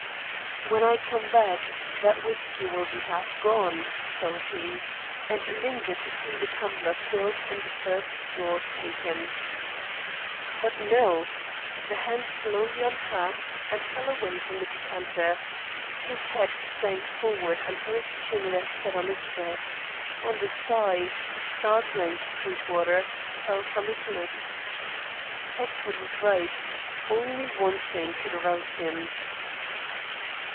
"When I come back, that whiskey will be half gone," thought he, and lingered to see the tumbler filled and the first draught taken. But no. The hand slowly unclasped and fell away from the decanter; his head sank forward until his chin rested on his breast; and a sigh, startling to Sweetwater, fell from his lips. Hexford was right; only one thing could arouse him.